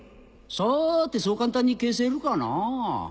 さてそう簡単に消せるかな？